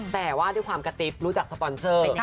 แต่ว่าด้วยความกระติ๊บรู้จักสปอนเซอร์